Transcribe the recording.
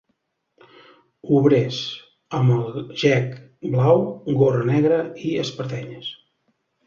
Obrers, amb el gec blau, gorra negra i espardenyes